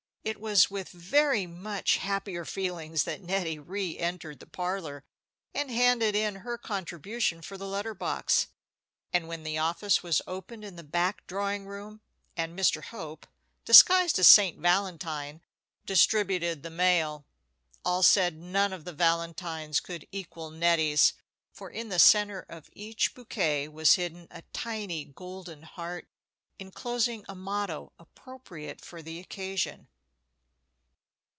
It was with very much happier feelings that Nettie re entered the parlor, and handed in her contribution for the letter box; and when the office was opened in the back drawing room, and Mr. Hope, disguised as St. Valentine, distributed the mail, all said none of the valentines could equal Nettie's, for in the centre of each bouquet was hidden a tiny golden heart, inclosing a motto appropriate to the occasion.